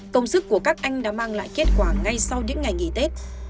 công sức của các anh đã mang lại kết quả ngay sau những ngày nghỉ tết